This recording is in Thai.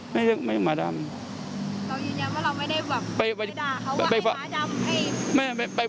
ไม่เรียกไอ้หมาดำเรายืนยังว่าเราไม่ได้แบบไม่ด่าเขาว่าไอ้หมาดำ